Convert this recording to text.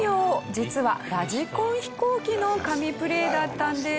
実はラジコン飛行機の神プレーだったんです。